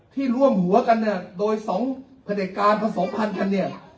ที่ร่วมหัวกันเนี้ยโดยสองผลิตการผสมพันคันเนี้ย